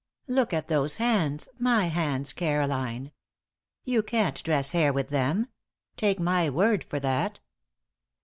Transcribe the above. "Look at those hands my hands, Caroline! You can't dress hair with them. Take my word for that."